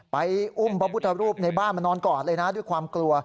ไปอุ้มบวบรูปในบ้านมานอนก่อนเลยนะด้วยความกลัว